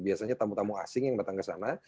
biasanya tamu tamu asing yang datang kesana